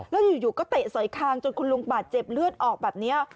แล้วอยู่ก็เตะสอยคางจนคุณลุงบาดเจ็บเลือดออกแบบนี้